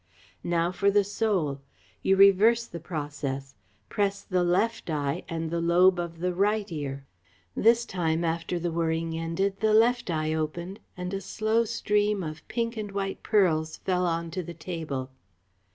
Now for the Soul! You reverse the process. Press the left eye and the lobe of the right ear." This time, after the whirring ended, the left eye opened, and a slow stream of pink and white pearls fell on to the table.